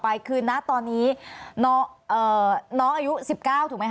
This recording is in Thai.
อันดับที่สุดท้าย